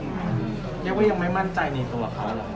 นี่ว่ายังไม่มั่นใจในตัวคะ